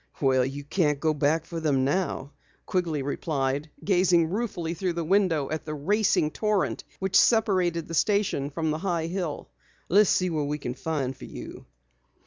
"Well, you can't go back for them now," Quigley replied, gazing ruefully through the window at the racing torrent which separated the station from the high hill. "Let's see what we can find for you."